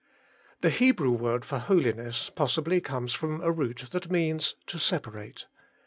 The Hebrew word for holiness possibly comes from a root that means to separate.